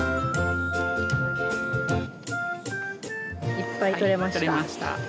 いっぱい採れました。